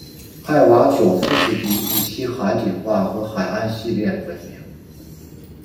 艾瓦佐夫斯基以其海景画和海岸系列闻名。